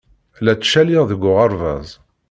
La ttcaliɣ deg uɣerbaz.